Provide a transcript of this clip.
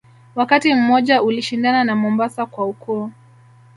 Wakati mmoja ulishindana na Mombasa kwa ukuu